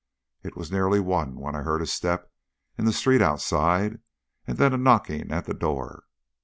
It was nearly one when I heard a step in the street outside, and then a knocking at the door.